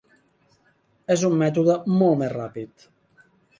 És un mètode molt més ràpid.